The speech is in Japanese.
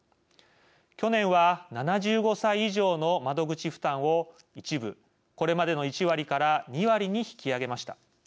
去年は、７５歳以上の窓口負担を一部、これまでの１割から２割に引き上げました。